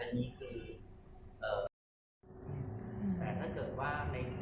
หรือเป็นอะไรที่คุณต้องการให้ดู